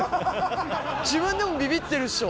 自分でもビビってるっしょ。